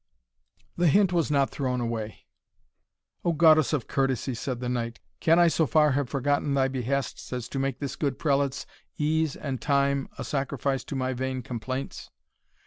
The hint was not thrown away. "O, goddess of courtesy!" said the knight, "can I so far have forgotten thy behests as to make this good prelate's ease and time a sacrifice to my vain complaints!